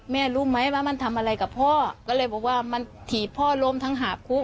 แม่รู้ไหมว่ามันทำอะไรกับพ่อก็เลยบอกว่ามันถีบพ่อล้มทั้งหาคู่